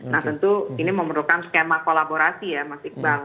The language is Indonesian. nah tentu ini memerlukan skema kolaborasi ya mas iqbal